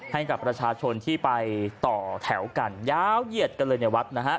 ให้กับประชาชนที่ไปต่อแถวกันยาวเหยียดกันเลยในวัดนะฮะ